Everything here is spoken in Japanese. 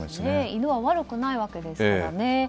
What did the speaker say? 犬は悪くないわけですからね。